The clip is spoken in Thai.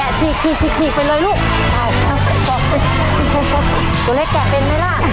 แก่ถีกถีกถีกไปเลยลูกสุเล็กแก่เป็นไหมล่ะแก่เป็นไหม